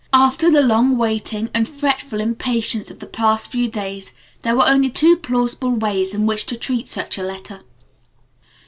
After the long waiting and the fretful impatience of the past few days there were only two plausible ways in which to treat such a letter.